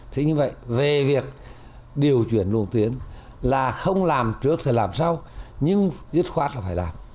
thế như vậy về việc điều chuyển luồng tuyến là không làm trước thì làm sau nhưng dứt khoát là phải làm